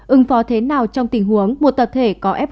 ứng phó thế nào trong tình huống một tập thể có f một